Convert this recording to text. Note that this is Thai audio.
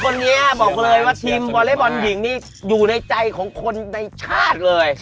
วันนี้บอกเลยว่าทีมวอเล็กบอลหญิงนี่อยู่ในใจของคนในชาติเลย